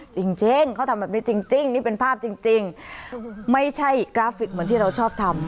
จริงเขาทำแบบนี้จริงนี่เป็นภาพจริงไม่ใช่กราฟิกเหมือนที่เราชอบทำ